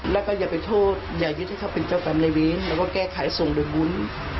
แล้วก็อย่าไปโทษอย่ายึดที่เขาเป็นเจ้ากรรมในเวรแล้วก็แก้ไขส่งโดยบุญ